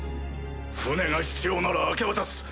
船が必要なら明け渡す。